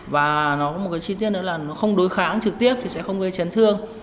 và nó có một cái chi tiết nữa là nó không đối kháng trực tiếp thì sẽ không gây chấn thương